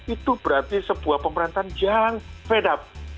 itu berarti sebuah pemerintahan jarang fed up